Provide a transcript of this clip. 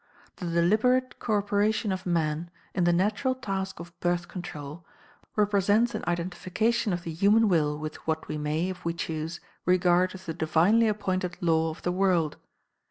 The deliberate co operation of Man in the natural task of Birth Control represents an identification of the human will with what we may, if we choose, regard as the divinely appointed law of the world.